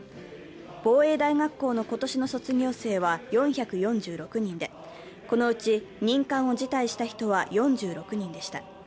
防衛大学校の今年の卒業生は４４６人で、このうち任官を辞退した人は４６人でした。